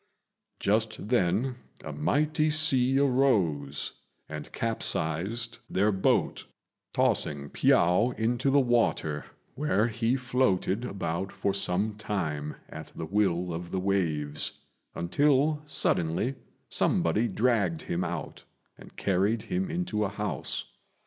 Just then a mighty sea arose and capsized their boat, tossing Piao into the water, where he floated about for some time at the will of the waves, until suddenly somebody dragged him out and carried him into a house.